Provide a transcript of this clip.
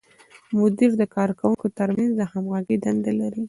مدیر د کارکوونکو تر منځ د همغږۍ دنده لري.